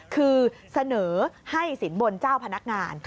คือเสนอให้สินบนเจ้าพนักงาน